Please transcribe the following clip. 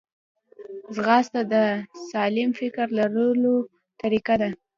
ځغاسته د سالم فکر لرلو طریقه ده